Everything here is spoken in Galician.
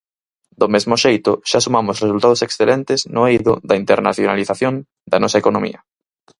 Do mesmo xeito, xa sumamos resultados excelentes no eido da internacionalización da nosa economía.